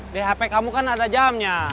di hp kamu kan ada jamnya